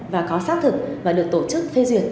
và có xác thực và được tổ chức phê duyệt